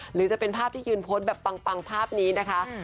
หรือจะเป็นภาพที่ยืนโพสต์แบบปังภาพนี้นะคะ